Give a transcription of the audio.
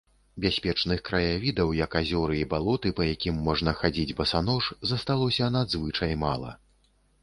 Бяспечных краявідаў, як азёры і балоты, па якім можна хадзіць басанож, засталося надзвычай мала.